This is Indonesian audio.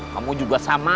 kamu juga sama